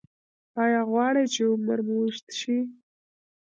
ایا غواړئ چې عمر مو اوږد شي؟